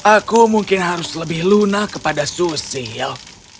aku mungkin harus lebih lunak kepada susil